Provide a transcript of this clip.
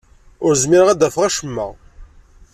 Ur zmireɣ ad d-afeɣ acemma.